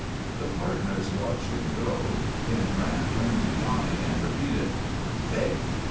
The partners watched him go, then Grant turned to Johnny, and repeated: "Fake!